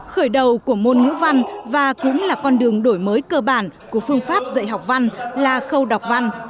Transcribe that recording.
khởi đầu của môn ngữ văn và cũng là con đường đổi mới cơ bản của phương pháp dạy học văn là khâu đọc văn